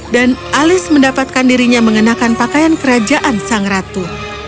dan alice mendapatkan dirinya mengenakan pakaian kerajaan sang ratu